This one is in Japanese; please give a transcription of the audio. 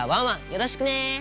よろしくね！